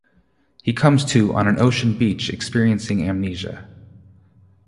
He comes to on an ocean beach experiencing amnesia.